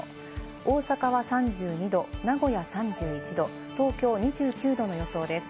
大阪は３２度、名古屋３１度、東京２９度の予想です。